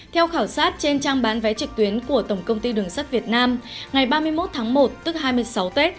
theo khảo sát trên trang bán vé trực tuyến của tổng công ty đường sắt việt nam ngày ba mươi một tháng một tức hai mươi sáu tết